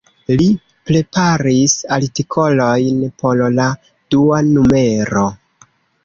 Li preparis artikolojn por la dua numero.